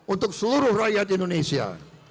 untuk seluruh rakyat indonesia